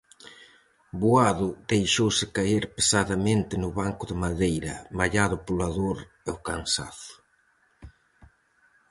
Boado deixouse caer pesadamente no banco de madeira, mallado pola dor e o cansazo.